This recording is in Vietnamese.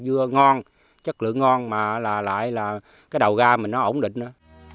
dưa ngon chất lượng ngon mà lại là cái đầu ga mình nó ổn định nữa